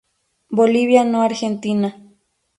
Bolivia no Argentina.